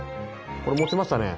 これ持ちましたね。